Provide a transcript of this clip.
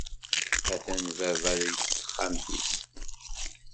Atan baba deg texxamt-is.